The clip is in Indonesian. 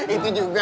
itu juga kali